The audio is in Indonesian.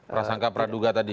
prasangka praduga tadi